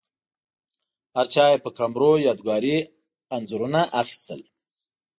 هرچا یې په کمرو یادګاري انځورونه اخیستل.